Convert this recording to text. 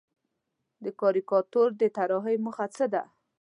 د کاریکاتور د طراحۍ موخه څه ده؟